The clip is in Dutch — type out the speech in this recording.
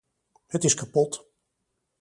Het is kapot.